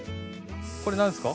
これなんですか？